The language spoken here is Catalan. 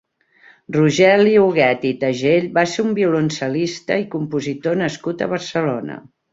Rogel·li Huguet i Tagell va ser un violoncel·lista i compositor nascut a Barcelona.